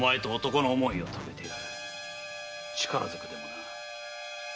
力ずくでな。